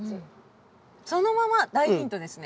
「そのまま」大ヒントですね。